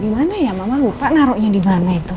dimana ya mama lupa naroknya dimana itu